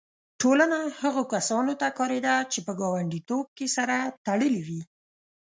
ټولنه هغو کسانو ته کارېده چې په ګانډیتوب کې سره تړلي وي.